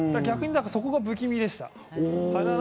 逆にそこが不気味でした。